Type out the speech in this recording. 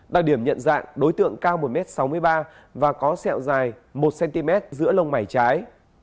đặc điểm nhận dạng đối tượng cao một m sáu mươi ba và có sẹo dài một cm giữa lông mảy trái